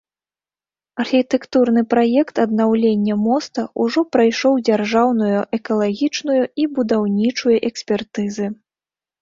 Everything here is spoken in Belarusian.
Архітэктурны праект аднаўлення моста ўжо прайшоў дзяржаўную экалагічную і будаўнічую экспертызы.